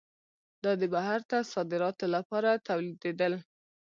دا د بهر ته صادراتو لپاره تولیدېدل.